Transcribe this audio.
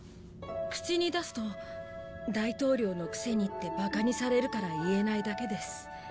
口に出すと大統領のくせにってバカにされるから言えないだけです。